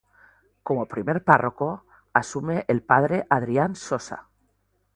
Como primer párroco asume el P. Adrián Sosa.